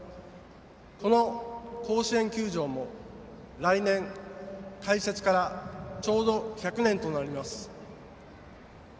この甲子園球場も来年、開設からちょうど１００年となります。